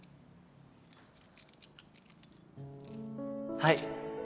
はい。